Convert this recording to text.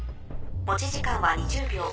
持ち時間は２０秒。